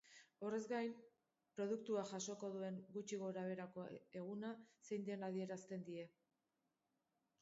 Horrez gain, produktua jasoko duen gutxi gorabeherako eguna zein den adierazten die.